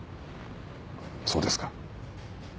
そうですか。